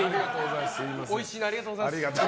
おいしいのありがとうございます。